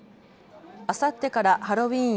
あさってからハロウィーン